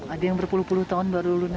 ada yang berpuluh puluh tahun baru lulus